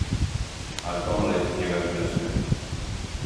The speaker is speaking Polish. Alkohol jest niebezpieczny